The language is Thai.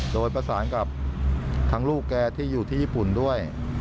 โดยประสานกับทั้งลูกแกที่อยู่ที่ญี่ปุ่นด้วย